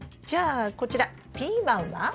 じゃあこちらピーマンは？